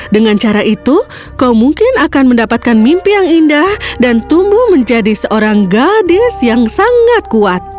dengan cara itu kau mungkin akan mendapatkan mimpi yang indah dan tumbuh menjadi seorang gadis yang sangat kuat